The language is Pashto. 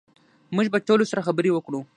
موږ به ټولو سره خبرې وکړو